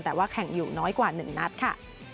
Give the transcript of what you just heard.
แต่ว่าแข่งอยู่น้อยกว่า๑นัดค่ะ